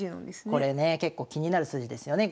これね結構気になる筋ですよね